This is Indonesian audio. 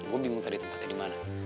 gue bingung tadi tempatnya dimana